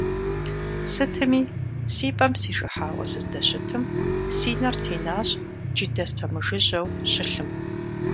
Сытми, си пӀэм сижыхьауэ сыздэщытым, си нэр тенащ джыдэ спэмыжыжьэу щылъым.